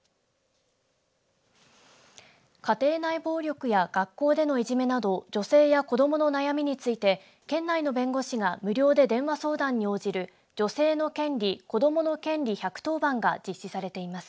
家庭内暴力や学校でのいじめなど女性や子どもの悩みについて県内の弁護士が無料で電話相談に応じる女性の権利、子どもの権利１１０番が実施されています。